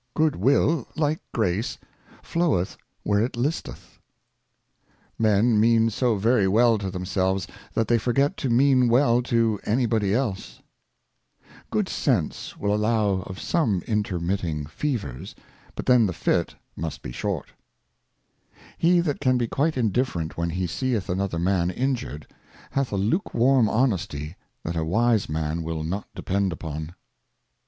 GOOD WILL, like Grace, floweth where it listeth. Good ^ ill. Men 252 Miscellaneous Thoughts Men mean so very well to themselves^ that they forget to mean well to any body else. Heat. GOOD SENSE will allow of some intermitting Fevers, but then the Fit must be short. Honesty. HE that can be quite indifferent when he seeth another Man injured, hath a lukewarm Honesty that a wise Man will not depend upon.